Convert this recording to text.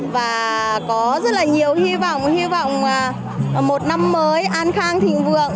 và có rất là nhiều hy vọng hy vọng một năm mới an khang thịnh vượng